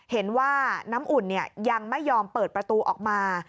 เห็นว่าน้ำอุ่นยังไม่ยอมเปิดประตูออกมา